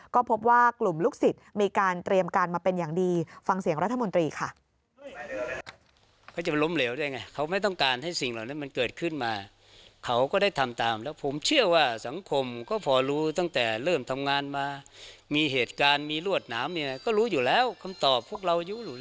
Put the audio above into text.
ก็พบว่ากลุ่มลูกศิษย์มีการเตรียมการมาเป็นอย่างดีฟังเสียงรัฐมนตรีค่ะ